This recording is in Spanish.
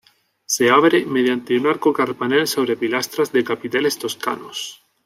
Se abre mediante un arco carpanel sobre pilastras de capiteles toscanos.